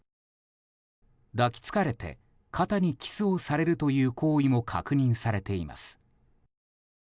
抱きつかれて肩にキスをされるという行為も確認されています。